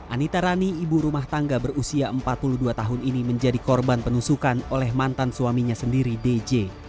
anita rani ibu rumah tangga berusia empat puluh dua tahun ini menjadi korban penusukan oleh mantan suaminya sendiri dj